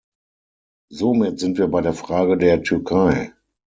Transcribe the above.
Somit sind wir bei der Frage der Türkei.